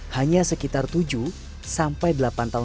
hanya sekitar tujuh sampai delapan tahun